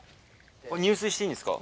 入水していいんですか？